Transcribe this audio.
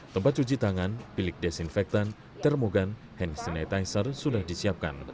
tempat cuci tangan bilik desinfektan termogan hand sanitizer sudah disiapkan